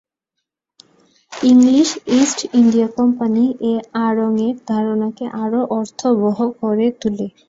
English East India company এ আড়ং-এর ধারণাকে আরও অর্থবহ করে তোলে।